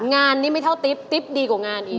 งานนี้ไม่เท่าติ๊บติ๊บดีกว่างานอีก